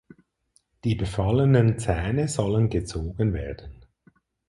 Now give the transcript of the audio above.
Die befallenen Zähne sollen gezogen werden.